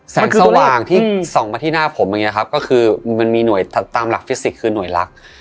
แสงสว่างที่ส่องมาที่หน้าผมอย่างนี้ครับก็คือมันมีหน่วยตามหลักฟิสิกส์คือหน่วยลักษณ์